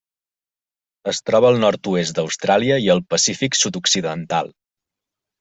Es troba al nord-oest d'Austràlia i el Pacífic sud-occidental.